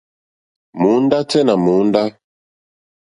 Mòóndá tɛ́ nà mòóndá.